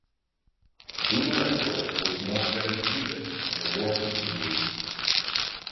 The Mughal Emperor was not ready to do this and the war continued.